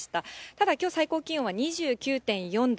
ただ、きょう最高気温は２９４度。